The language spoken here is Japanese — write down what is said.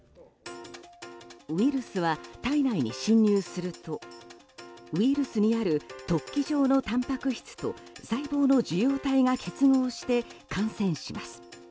ウイルスは体内に侵入するとウイルスにある突起状のたんぱく質と細胞の受容体が結合して感染します。